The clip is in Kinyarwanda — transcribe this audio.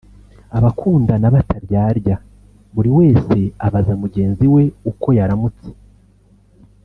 Abakundana bataryarya buri wese abaza mugenzi we uko yaramutse